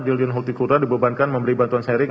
diliun kutiputura dibebankan memberi bantuan sharing